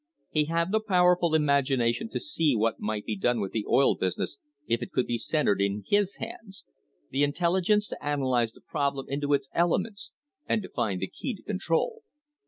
He had the po werful im agination to see what might be done with the oil business if it could be centered in his hands — the intelligence to analyse the problem into its elements and to find the key to control.